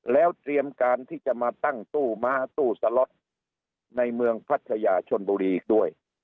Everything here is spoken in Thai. แล้วเตรียมการที่จะมาตั้งตู้ม้าตู้สล็อตในเมืองพัทยาชนบุรีอีกด้วย